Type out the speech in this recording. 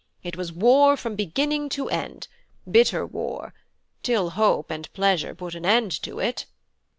It was war from beginning to end: bitter war, till hope and pleasure put an end to it."